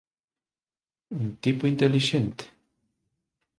Un tipo intelixente.